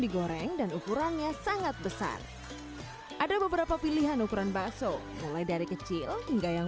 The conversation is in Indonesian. digoreng dan ukurannya sangat besar ada beberapa pilihan ukuran bakso mulai dari kecil hingga yang